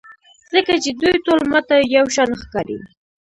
ځکه چې دوی ټول ماته یوشان ښکاري.